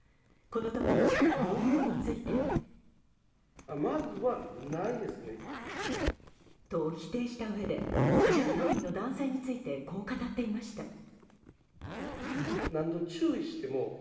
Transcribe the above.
このとき、暴行についてと否定したうえで従業員の男性についてこう語っていました。